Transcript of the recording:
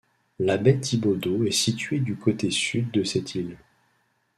La baie Thibodeau est située du côté Sud de cette île.